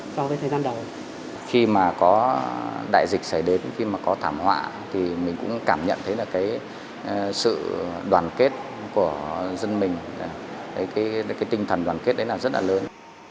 khi mà có đại dịch xảy đến khi mà có thảm họa thì mình cũng cảm nhận thấy là cái sự đoàn kết của dân mình cái tinh thần đoàn kết đấy là rất là lớn